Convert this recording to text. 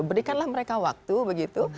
berikanlah mereka waktu begitu